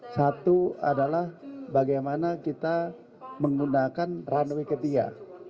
satu adalah bagaimana kita menggunakan runway ketiga